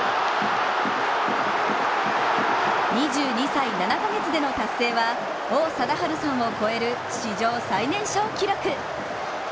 ２２歳７か月での達成は王貞治さんを超える史上最年少記録。